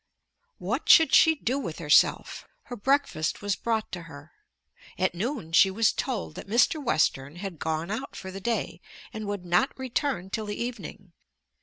What should she do with herself? Her breakfast was brought to her. At noon she was told that Mr. Western had gone out for the day and would not return till the evening.